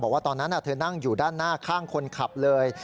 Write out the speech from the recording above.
บอกว่าตอนนั้นเธอนั่งอยู่ด้านหน้าข้างคนขับเลย